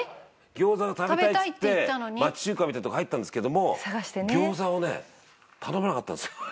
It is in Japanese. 「餃子が食べたい」っつって町中華みたいなとこ入ったんですけども餃子をね頼まなかったんですよ。